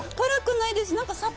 辛くないです。